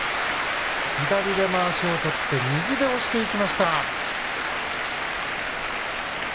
左でまわしを取って右で押していきました。